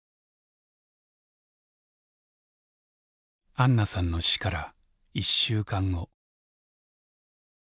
あんなさんの死から１週間後。